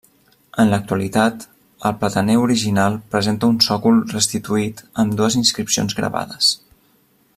En l'actualitat, el plataner original presenta un sòcol restituït amb dues inscripcions gravades.